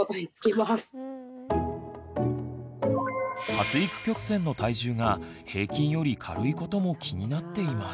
発育曲線の体重が平均より軽いことも気になっています。